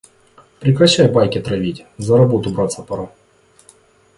Прекращай байки травить, за работу браться пора.